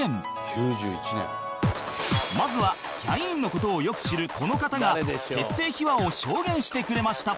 まずはキャインの事をよく知るこの方が結成秘話を証言してくれました